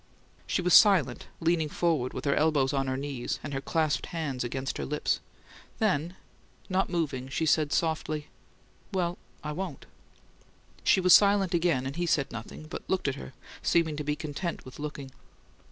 She was silent, leaning forward, with her elbows on her knees and her clasped hands against her lips. Then, not moving, she said softly: "Well I won't!" She was silent again, and he said nothing, but looked at her, seeming to be content with looking.